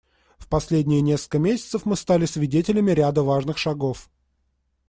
В последние несколько месяцев мы стали свидетелями ряда важных шагов.